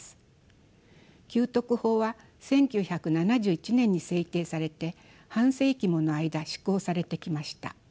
給特法は１９７１年に制定されて半世紀もの間施行されてきました。